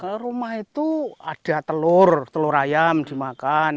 ke rumah itu ada telur telur ayam dimakan